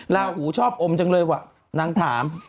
ลาหูชอบอมจังเลยว่ะนางถาม